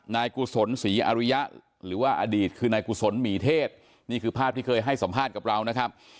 กุศลศรีอริยะหรือว่าอดีตคือนายกุศลหมีเทศนี่คือภาพที่เคยให้สัมภาษณ์กับเรานะครับ